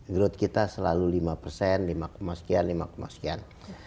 growth kita selalu lima persen lima sekian lima sekian